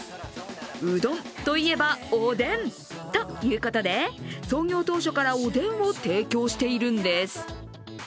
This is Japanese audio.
うどんといえばおでん！ということで、創業当初からおでんを提供しているんです。